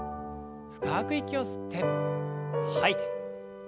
深く息を吸って吐いて。